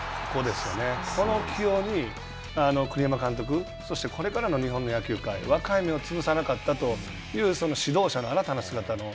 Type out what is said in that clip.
この起用に栗山監督、そしてこれからの日本の野球界若い芽を潰さなかったという指導者の新たな姿。